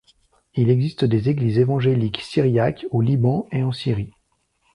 Il existe des Églises évangéliques syriaques au Liban et en Syrie.